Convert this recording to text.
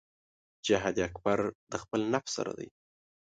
جهاد اکبر د خپل نفس سره دی .